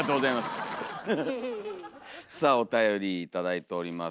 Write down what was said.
さあおたより頂いております。